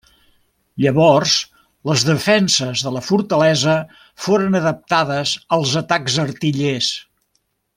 Llavors les defenses de la fortalesa foren adaptades als atacs artillers.